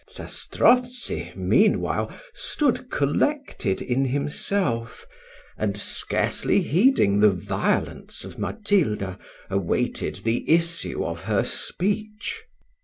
Zastrozzi, meanwhile, stood collected in himself; and scarcely heeding the violence of Matilda, awaited the issue of her speech.